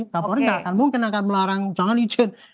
kapolri mungkin akan melarang jangan izin